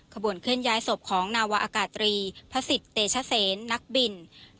ขบวนเคลื่อนย้ายศพของนาวาอากาศตรีพระศิษย์เตชเซนนักบิน